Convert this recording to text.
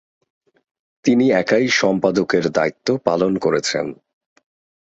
তিনি একাই সম্পাদকের দায়িত্ব পালন করেছেন।